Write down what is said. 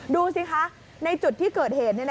ดูสิคะในจุดที่เกิดเหตุ